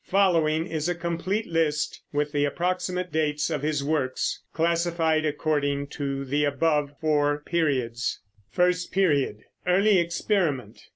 Following is a complete list with the approximate dates of his works, classified according to the above four periods. First Period, Early Experiment.